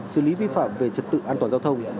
xử lý vi phạm về trật tự an toàn giao thông